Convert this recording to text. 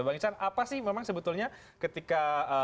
bang ican apa sih memang sebetulnya ketika